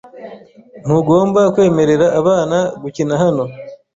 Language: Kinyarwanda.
Ntugomba kwemerera abana gukina hano .